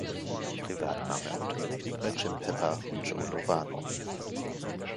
Privat nahm er Unterricht bei Jim Pepper und Joe Lovano.